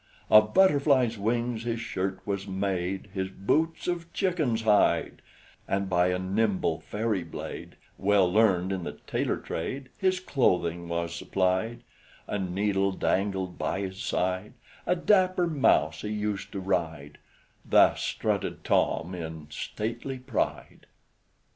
"Of Butterfly's wings his shirt was made, His boots of chicken's hide; And by a nimble fairy blade, Well learned in the tailoring trade, His clothing was supplied A needle dangled by his side; A dapper mouse he used to ride, Thus strutted Tom in stately pride!"